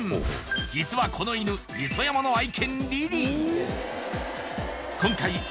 実はこの犬磯山の愛犬リリー